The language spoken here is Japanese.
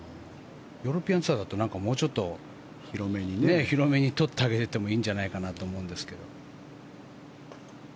ヨーロピアンツアーだともうちょっと広めに取ってあげてもいいんじゃないかなと思うんですけど。